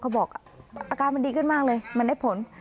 บอกอาการมันดีขึ้นมากเลยมันได้ผล